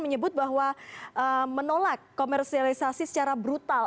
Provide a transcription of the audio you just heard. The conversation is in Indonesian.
menyebut bahwa menolak komersialisasi secara brutal